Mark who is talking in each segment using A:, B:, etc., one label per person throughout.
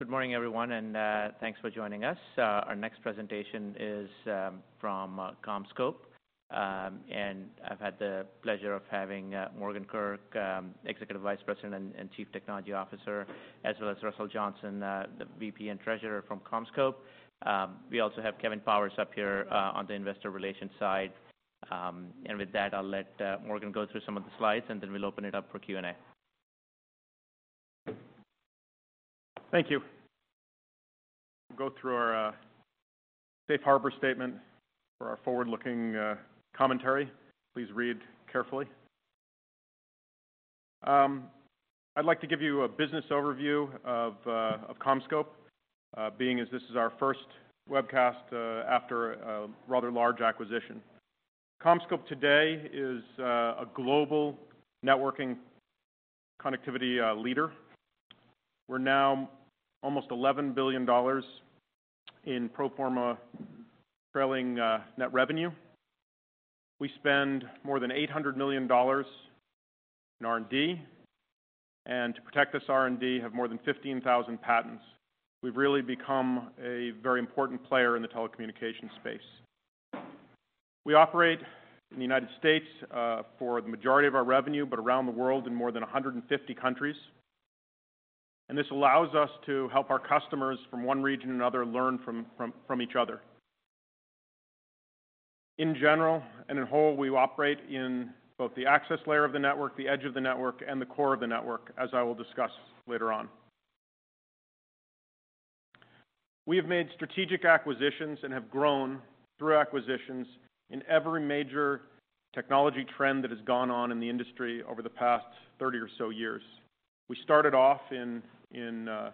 A: Good morning, everyone, and thanks for joining us. Our next presentation is from CommScope, and I've had the pleasure of having Morgan Kurk, Executive Vice President and Chief Technology Officer, as well as Russell Johnson, the VP and Treasurer from CommScope. We also have Kevin Powers up here on the investor relations side. With that, I'll let Morgan go through some of the slides, and then we'll open it up for Q&A.
B: Thank you. Go through our safe harbor statement for our forward-looking commentary. Please read carefully. I'd like to give you a business overview of CommScope, being as this is our first webcast after a rather large acquisition. CommScope today is a global networking connectivity leader. We're now almost $11 billion in pro forma trailing net revenue. We spend more than $800 million in R&D, and to protect this R&D, have more than 15,000 patents. We've really become a very important player in the telecommunications space. We operate in the United States for the majority of our revenue, but around the world in more than 150 countries. This allows us to help our customers from one region to another learn from each other. In general and in whole, we operate in both the access layer of the network, the edge of the network, and the core of the network, as I will discuss later on. We have made strategic acquisitions and have grown through acquisitions in every major technology trend that has gone on in the industry over the past 30 or so years. We started off in the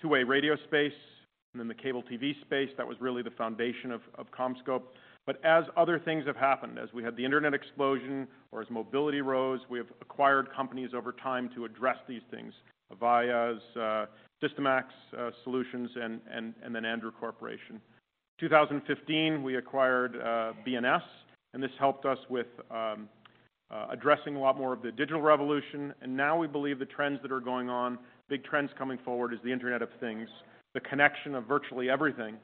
B: two-way radio space and then the cable TV space. That was really the foundation of CommScope. As other things have happened, as we had the internet explosion or as mobility rose, we have acquired companies over time to address these things. Avaya, SYSTIMAX Solutions, and then Andrew Corporation. 2015, we acquired BNS, and this helped us with addressing a lot more of the digital revolution. Now we believe the trends that are going on, big trends coming forward, is the Internet of Things, the connection of virtually everything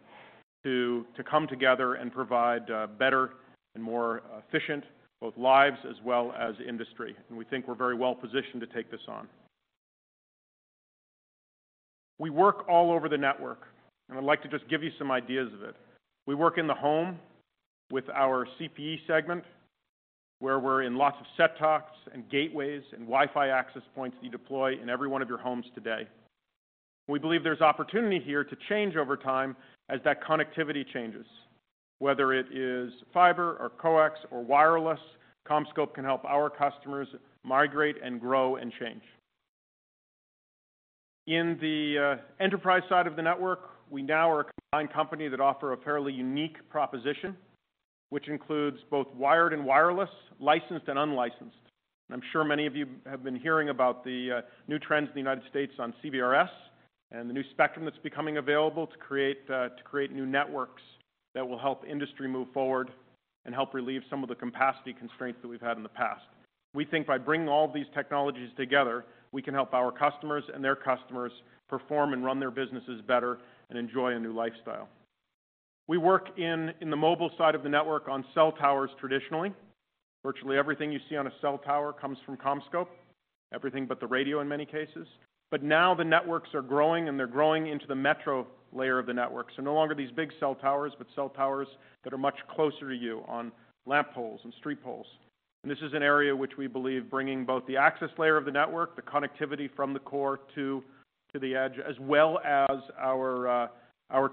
B: to come together and provide better and more efficient, both lives as well as industry. We think we're very well positioned to take this on. We work all over the network, and I'd like to just give you some ideas of it. We work in the home with our CPE segment, where we're in lots of set-tops and gateways and Wi-Fi access points that you deploy in every one of your homes today. We believe there's opportunity here to change over time as that connectivity changes. Whether it is fiber or coax or wireless, CommScope can help our customers migrate and grow and change. In the enterprise side of the network, we now are a combined company that offer a fairly unique proposition, which includes both wired and wireless, licensed and unlicensed. I'm sure many of you have been hearing about the new trends in the U.S. on CBRS and the new spectrum that's becoming available to create new networks that will help industry move forward and help relieve some of the capacity constraints that we've had in the past. We think by bringing all these technologies together, we can help our customers and their customers perform and run their businesses better and enjoy a new lifestyle. We work in the mobile side of the network on cell towers traditionally. Virtually everything you see on a cell tower comes from CommScope, everything but the radio in many cases. Now the networks are growing, and they're growing into the metro layer of the network. No longer these big cell towers, but cell towers that are much closer to you on lampposts and street poles. This is an area which we believe bringing both the access layer of the network, the connectivity from the core to the edge, as well as our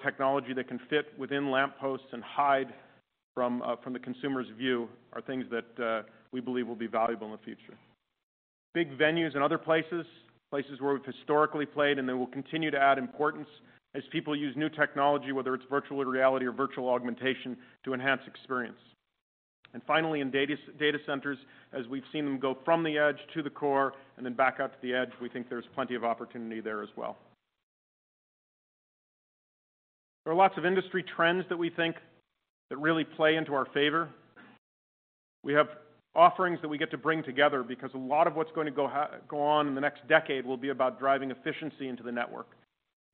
B: technology that can fit within lampposts and hide from the consumer's view, are things that we believe will be valuable in the future. Big venues and other places where we've historically played, and they will continue to add importance as people use new technology, whether it's virtual reality or virtual augmentation, to enhance experience. Finally, in data centers, as we've seen them go from the edge to the core and then back out to the edge, we think there's plenty of opportunity there as well. There are lots of industry trends that we think that really play into our favor. We have offerings that we get to bring together because a lot of what's going to go on in the next decade will be about driving efficiency into the network.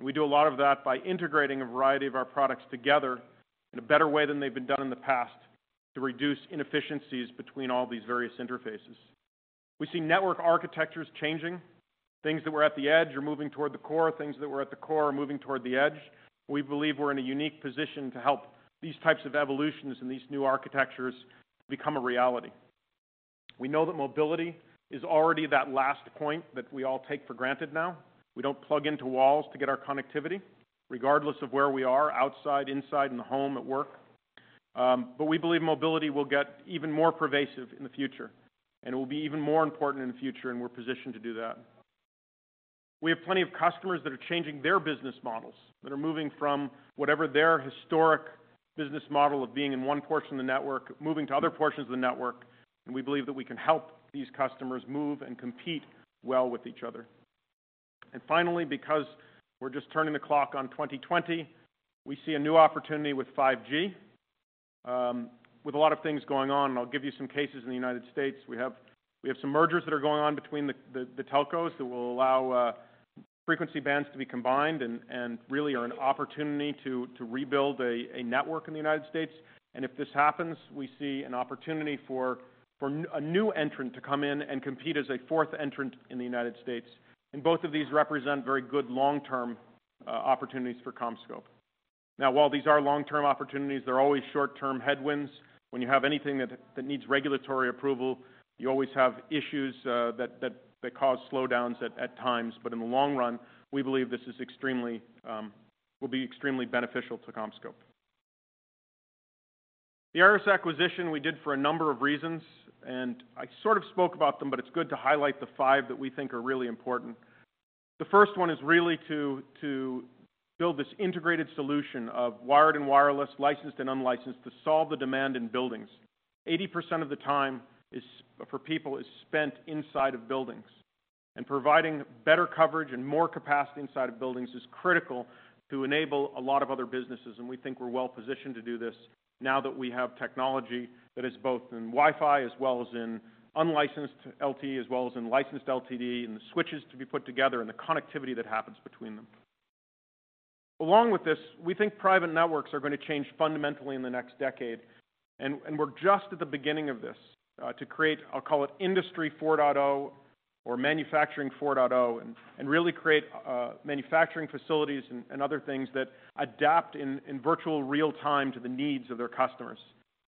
B: We do a lot of that by integrating a variety of our products together in a better way than they've been done in the past to reduce inefficiencies between all these various interfaces. We see network architectures changing. Things that were at the edge are moving toward the core. Things that were at the core are moving toward the edge. We believe we're in a unique position to help these types of evolutions and these new architectures become a reality. We know that mobility is already that last point that we all take for granted now. We don't plug into walls to get our connectivity, regardless of where we are, outside, inside, in the home, at work. We believe mobility will get even more pervasive in the future and will be even more important in the future, and we're positioned to do that. We have plenty of customers that are changing their business models, that are moving from whatever their historic business model of being in one portion of the network, moving to other portions of the network, and we believe that we can help these customers move and compete well with each other. Finally, because we're just turning the clock on 2020, we see a new opportunity with 5G, with a lot of things going on, and I'll give you some cases in the United States. We have some mergers that are going on between the telcos that will allow frequency bands to be combined and really are an opportunity to rebuild a network in the United States. If this happens, we see an opportunity for a new entrant to come in and compete as a fourth entrant in the United States. Both of these represent very good long-term opportunities for CommScope. Now, while these are long-term opportunities, there are always short-term headwinds. When you have anything that needs regulatory approval, you always have issues that cause slowdowns at times. In the long run, we believe this will be extremely beneficial to CommScope. The ARRIS acquisition we did for a number of reasons, and I sort of spoke about them, but it's good to highlight the five that we think are really important. The first one is really to build this integrated solution of wired and wireless, licensed and unlicensed, to solve the demand in buildings. 80% of the time for people is spent inside of buildings. Providing better coverage and more capacity inside of buildings is critical to enable a lot of other businesses, and we think we're well positioned to do this now that we have technology that is both in Wi-Fi as well as in unlicensed LTE, as well as in licensed LTE, and the switches to be put together, and the connectivity that happens between them. Along with this, we think private networks are going to change fundamentally in the next decade, and we're just at the beginning of this. To create, I'll call it Industry 4.0 or Manufacturing 4.0, and really create manufacturing facilities and other things that adapt in virtual real time to the needs of their customers.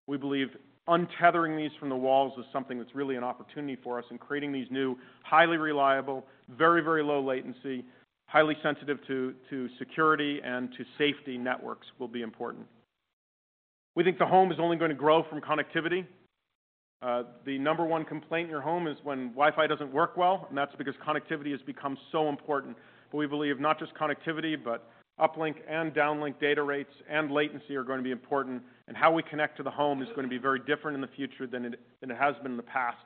B: We believe untethering these from the walls is something that's really an opportunity for us in creating these new, highly reliable, very low latency, highly sensitive to security and to safety networks will be important. We think the home is only going to grow from connectivity. The number one complaint in your home is when Wi-Fi doesn't work well, and that's because connectivity has become so important. We believe not just connectivity, but uplink and downlink data rates and latency are going to be important, and how we connect to the home is going to be very different in the future than it has been in the past.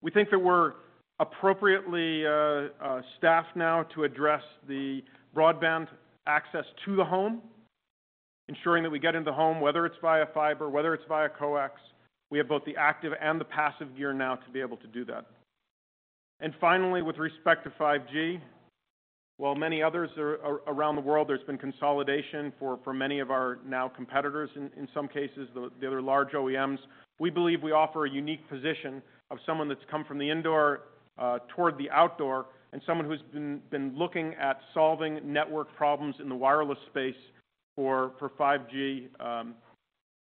B: We think that we're appropriately staffed now to address the broadband access to the home, ensuring that we get into the home, whether it's via fiber, whether it's via coax. We have both the active and the passive gear now to be able to do that. Finally, with respect to 5G, while many others are around the world, there's been consolidation for many of our now competitors, in some cases, the other large OEMs. We believe we offer a unique position of someone that's come from the indoor toward the outdoor, and someone who's been looking at solving network problems in the wireless space for 5G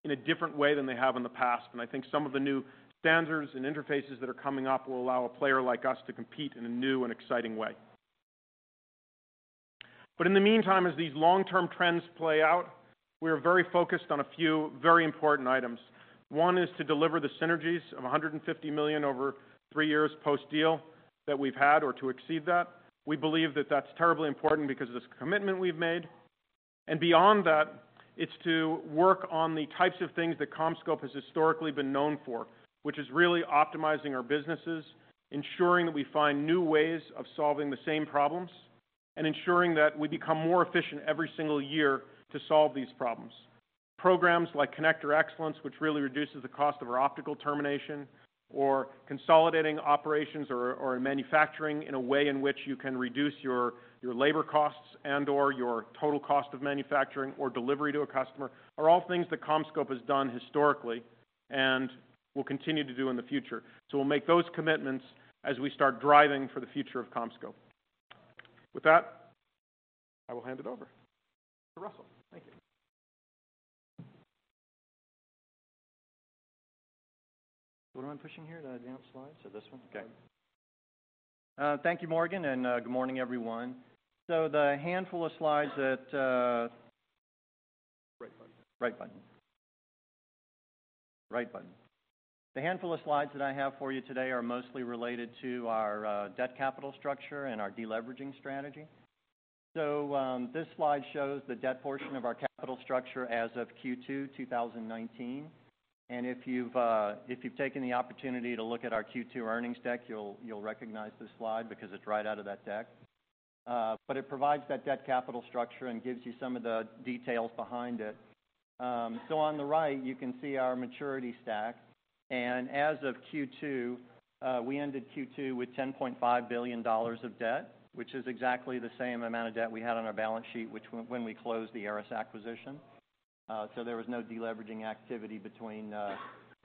B: in a different way than they have in the past. I think some of the new standards and interfaces that are coming up will allow a player like us to compete in a new and exciting way. In the meantime, as these long-term trends play out, we are very focused on a few very important items. One is to deliver the synergies of $150 million over three years post-deal that we've had or to exceed that. We believe that that's terribly important because of this commitment we've made. Beyond that, it's to work on the types of things that CommScope has historically been known for, which is really optimizing our businesses, ensuring that we find new ways of solving the same problems, and ensuring that we become more efficient every single year to solve these problems. Programs like Connector Excellence, which really reduces the cost of our optical termination, or consolidating operations or manufacturing in a way in which you can reduce your labor costs and/or your total cost of manufacturing or delivery to a customer, are all things that CommScope has done historically and will continue to do in the future. We'll make those commitments as we start driving for the future of CommScope. With that, I will hand it over to Russell. Thank you.
C: What am I pushing here to advance slides? This one? Okay. Thank you, Morgan, and good morning, everyone.
B: Right button. Right button.
C: The handful of slides that I have for you today are mostly related to our debt capital structure and our de-leveraging strategy. This slide shows the debt portion of our capital structure as of Q2 2019. If you've taken the opportunity to look at our Q2 earnings deck, you'll recognize this slide because it's right out of that deck. It provides that debt capital structure and gives you some of the details behind it. On the right, you can see our maturity stack, and as of Q2, we ended Q2 with $10.5 billion of debt, which is exactly the same amount of debt we had on our balance sheet when we closed the ARRIS acquisition. There was no de-leveraging activity between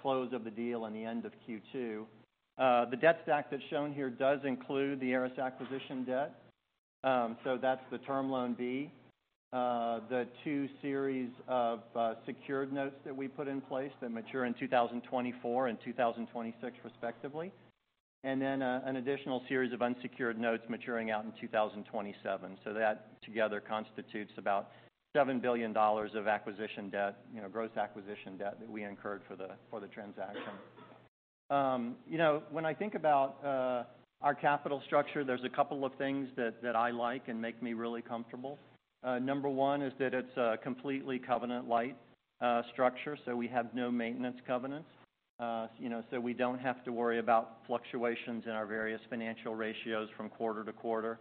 C: close of the deal and the end of Q2. The debt stack that's shown here does include the ARRIS acquisition debt. That's the Term Loan B, the two series of secured notes that we put in place that mature in 2024 and 2026, respectively, and then an additional series of unsecured notes maturing out in 2027. That together constitutes about $7 billion of acquisition debt, gross acquisition debt that we incurred for the transaction. When I think about our capital structure, there's a couple of things that I like and make me really comfortable. Number one is that it's a completely covenant-light structure, so we have no maintenance covenants. We don't have to worry about fluctuations in our various financial ratios from quarter to quarter.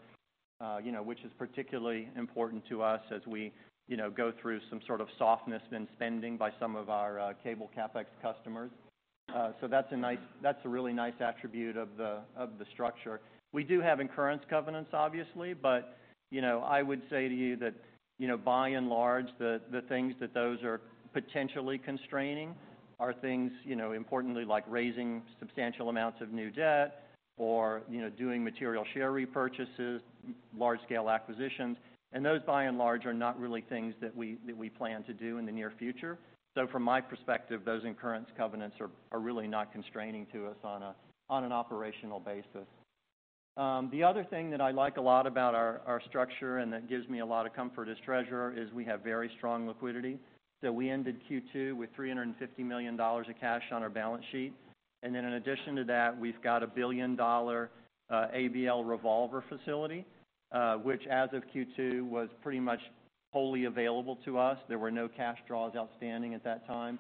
C: Which is particularly important to us as we go through some sort of softness in spending by some of our cable CapEx customers. That's a really nice attribute of the structure. We do have incurrence covenants, obviously, but I would say to you that by and large, the things that those are potentially constraining are things importantly like raising substantial amounts of new debt or doing material share repurchases, large-scale acquisitions. Those, by and large, are not really things that we plan to do in the near future. From my perspective, those incurrence covenants are really not constraining to us on an operational basis. The other thing that I like a lot about our structure and that gives me a lot of comfort as treasurer is we have very strong liquidity. We ended Q2 with $350 million of cash on our balance sheet. In addition to that, we've got a billion-dollar ABL revolver facility, which as of Q2, was pretty much wholly available to us. There were no cash draws outstanding at that time.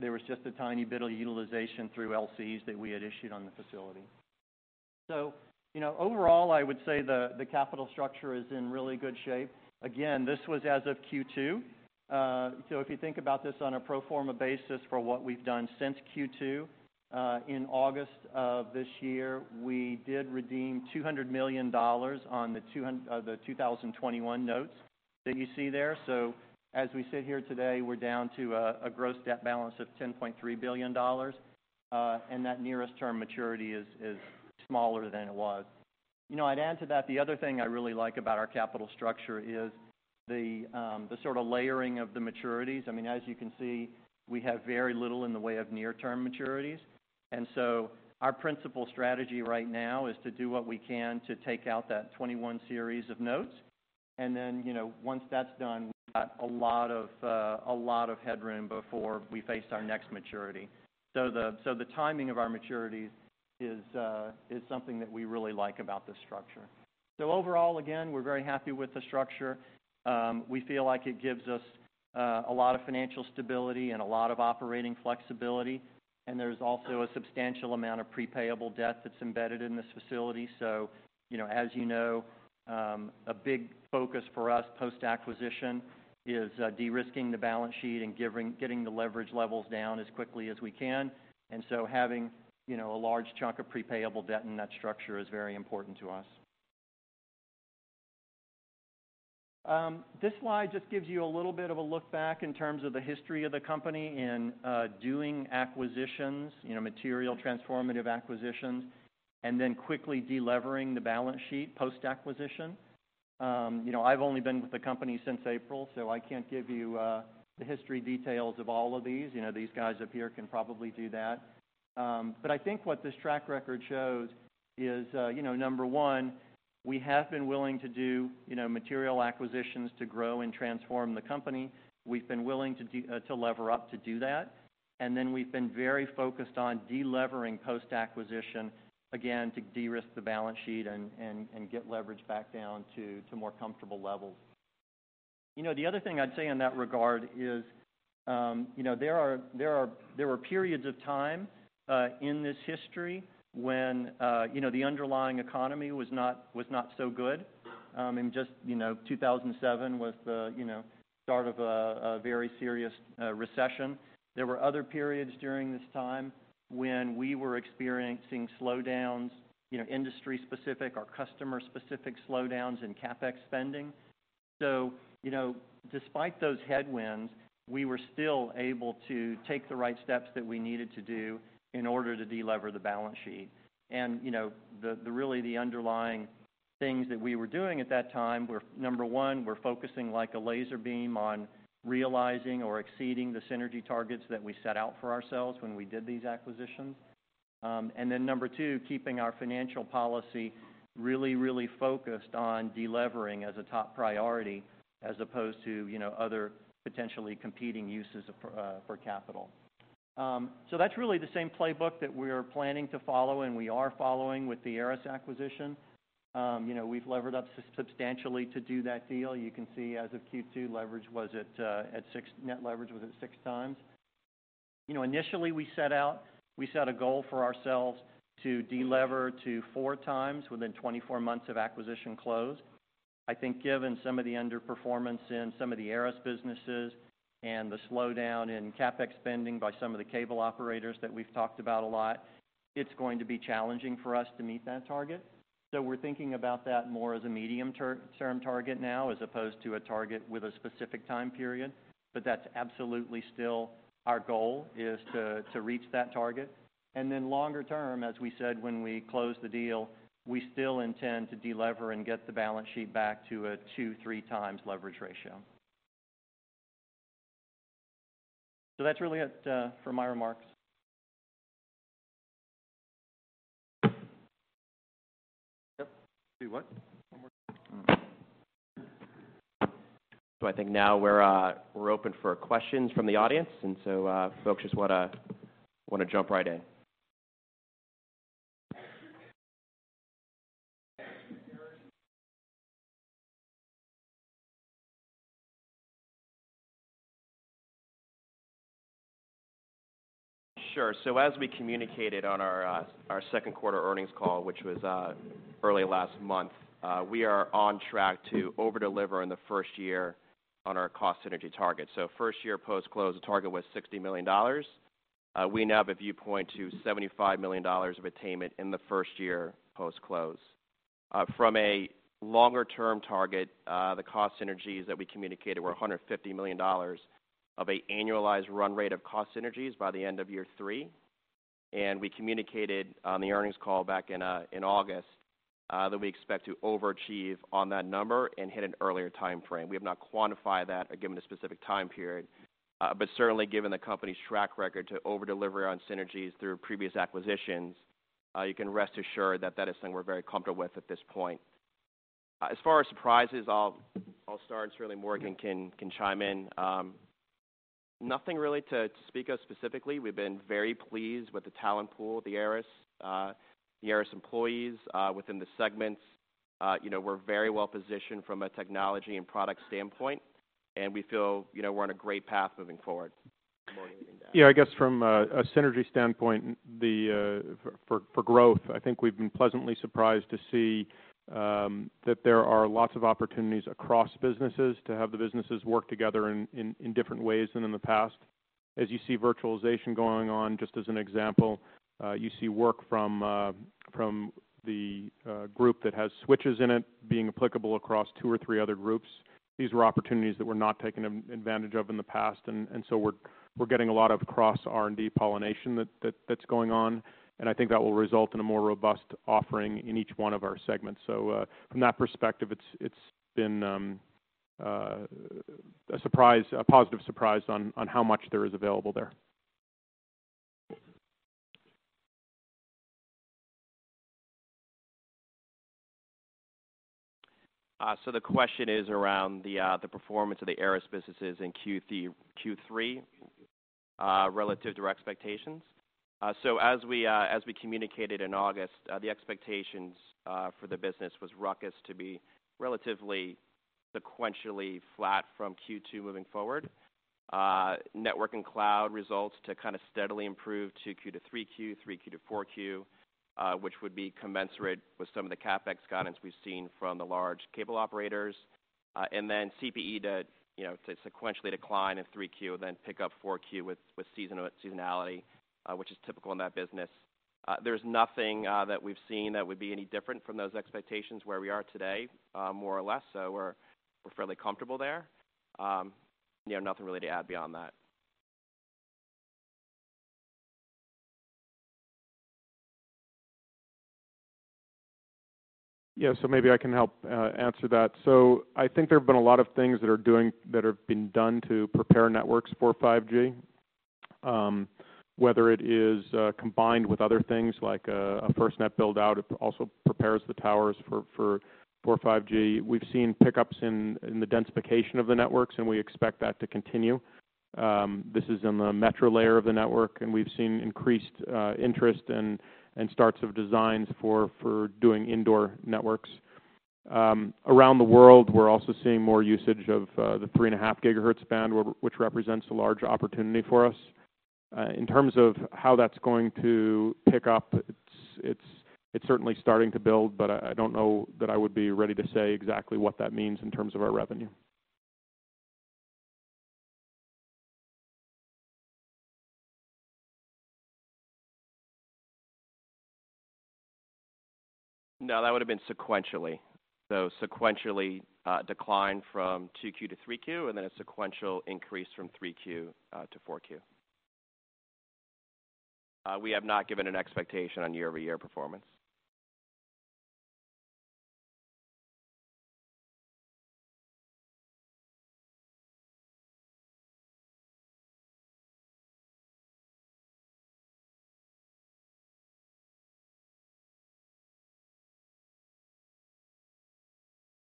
C: There was just a tiny bit of utilization through LCs that we had issued on the facility. Overall, I would say the capital structure is in really good shape. Again, this was as of Q2. If you think about this on a pro forma basis for what we've done since Q2, in August of this year, we did redeem $200 million on the 2021 notes that you see there. As we sit here today, we're down to a gross debt balance of $10.3 billion. That nearest term maturity is smaller than it was. I'd add to that, the other thing I really like about our capital structure is the sort of layering of the maturities. As you can see, we have very little in the way of near-term maturities. Our principal strategy right now is to do what we can to take out that 2021 series of notes. Then, once that's done, we've got a lot of headroom before we face our next maturity. The timing of our maturities is something that we really like about this structure. Overall, again, we're very happy with the structure. We feel like it gives us a lot of financial stability and a lot of operating flexibility, and there's also a substantial amount of pre-payable debt that's embedded in this facility. As you know, a big focus for us post-acquisition is de-risking the balance sheet and getting the leverage levels down as quickly as we can. Having a large chunk of pre-payable debt in that structure is very important to us. This slide just gives you a little bit of a look back in terms of the history of the company in doing acquisitions, material transformative acquisitions, and then quickly de-levering the balance sheet post-acquisition. I've only been with the company since April, so I can't give you the history details of all of these. These guys up here can probably do that. I think what this track record shows is, number one, we have been willing to do material acquisitions to grow and transform the company. We've been willing to lever up to do that. We've been very focused on de-levering post-acquisition, again, to de-risk the balance sheet and get leverage back down to more comfortable levels. The other thing I'd say in that regard is, there were periods of time in this history when the underlying economy was not so good. In 2007, with the start of a very serious recession. There were other periods during this time when we were experiencing slowdowns, industry-specific or customer-specific slowdowns in CapEx spending. Despite those headwinds, we were still able to take the right steps that we needed to do in order to de-lever the balance sheet. The really underlying things that we were doing at that time were, number one, we're focusing like a laser beam on realizing or exceeding the synergy targets that we set out for ourselves when we did these acquisitions. Then number two, keeping our financial policy really, really focused on de-levering as a top priority as opposed to other potentially competing uses for capital. That's really the same playbook that we're planning to follow and we are following with the ARRIS acquisition. We've levered up substantially to do that deal. You can see as of Q2, net leverage was at six times. Initially, we set a goal for ourselves to de-lever to four times within 24 months of acquisition close. I think given some of the underperformance in some of the ARRIS businesses and the slowdown in CapEx spending by some of the cable operators that we've talked about a lot, it's going to be challenging for us to meet that target. We're thinking about that more as a medium-term target now, as opposed to a target with a specific time period. That's absolutely still our goal, is to reach that target. Longer term, as we said when we closed the deal, we still intend to de-lever and get the balance sheet back to a two, three times leverage ratio. That's really it for my remarks.
D: Yep. Do what? One more time. I think now we're open for questions from the audience, and folks just want to jump right in. Sure. As we communicated on our second quarter earnings call, which was early last month, we are on track to over-deliver in the first year on our cost synergy targets. First year post-close, the target was $60 million. We now have a viewpoint to $75 million of attainment in the first year post-close. From a longer-term target, the cost synergies that we communicated were $150 million of an annualized run rate of cost synergies by the end of year three. We communicated on the earnings call back in August that we expect to overachieve on that number and hit an earlier timeframe. We have not quantified that or given a specific time period. Certainly, given the company's track record to over-deliver on synergies through previous acquisitions, you can rest assured that is something we're very comfortable with at this point. As far as surprises, I'll start and certainly Morgan can chime in. Nothing really to speak of specifically. We've been very pleased with the talent pool of the ARRIS employees within the segments. We're very well positioned from a technology and product standpoint, and we feel we're on a great path moving forward. Morgan can add.
B: Yeah, I guess from a synergy standpoint for growth, I think we've been pleasantly surprised to see that there are lots of opportunities across businesses to have the businesses work together in different ways than in the past. As you see virtualization going on, just as an example, you see work from the group that has switches in it being applicable across two or three other groups. These were opportunities that were not taken advantage of in the past. We're getting a lot of cross R&D pollination that's going on. I think that will result in a more robust offering in each one of our segments. From that perspective, it's been a positive surprise on how much there is available there.
D: The question is around the performance of the ARRIS businesses in Q3 relative to our expectations. As we communicated in August, the expectations for the business was RUCKUS to be relatively sequentially flat from Q2 moving forward. Network and cloud results to steadily improve 2Q to 3Q, 3Q to 4Q, which would be commensurate with some of the CapEx guidance we've seen from the large cable operators. CPE to sequentially decline in 3Q, then pick up 4Q with seasonality, which is typical in that business. There's nothing that we've seen that would be any different from those expectations where we are today, more or less. We're fairly comfortable there. Nothing really to add beyond that.
B: Yeah, maybe I can help answer that. I think there have been a lot of things that have been done to prepare networks for 5G. Whether it is combined with other things like a FirstNet build-out, it also prepares the towers for 5G. We've seen pickups in the densification of the networks, and we expect that to continue. This is in the metro layer of the network, and we've seen increased interest and starts of designs for doing indoor networks. Around the world, we're also seeing more usage of the 3.5 GHz band, which represents a large opportunity for us. In terms of how that's going to pick up, it's certainly starting to build, but I don't know that I would be ready to say exactly what that means in terms of our revenue.
D: No, that would've been sequentially. Sequentially decline from 2Q to 3Q, and then a sequential increase from 3Q to 4Q. We have not given an expectation on year-over-year performance.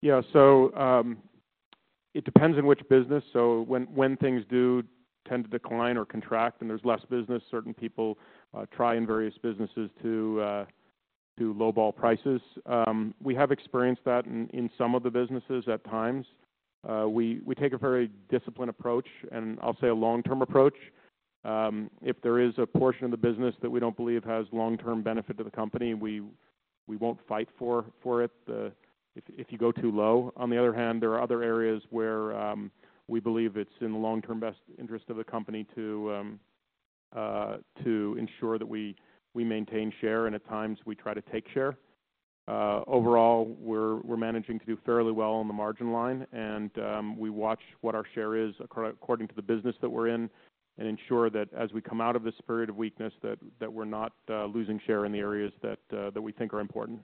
B: Yeah. It depends on which business. When things do tend to decline or contract and there's less business, certain people try in various businesses to do lowball prices. We have experienced that in some of the businesses at times. We take a very disciplined approach, and I'll say a long-term approach. If there is a portion of the business that we don't believe has long-term benefit to the company, we won't fight for it if you go too low. On the other hand, there are other areas where we believe it's in the long-term best interest of the company to ensure that we maintain share, and at times we try to take share. Overall, we're managing to do fairly well on the margin line, and we watch what our share is according to the business that we're in and ensure that as we come out of this period of weakness, that we're not losing share in the areas that we think are important.